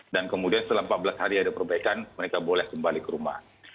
dan kemudian setelah empat belas hari ada perbaikan mereka boleh kembali ke rumah